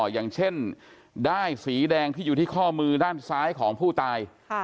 อย่างเช่นด้ายสีแดงที่อยู่ที่ข้อมือด้านซ้ายของผู้ตาย